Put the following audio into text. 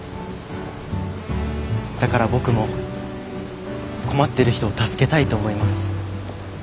だから僕も困ってる人を助けたいと思います。